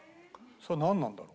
それはなんなんだろう？